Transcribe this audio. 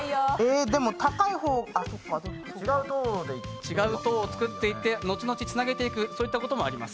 でも、高い方違う塔を使っていって後々、つなげていくそういったこともあります。